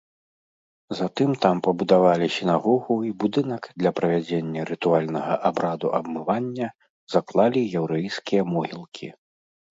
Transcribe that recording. Затым там пабудавалі сінагогу і будынак для правядзення рытуальнага абраду абмывання, заклалі яўрэйскія могілкі.